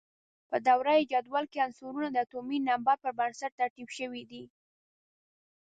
په دوره یي جدول کې عنصرونه د اتومي نمبر پر بنسټ ترتیب شوي دي.